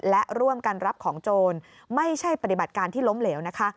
และร่วมกันรับของโจรไม่ใช่ปฏิบัติการที่ล้มเหลวนะคะ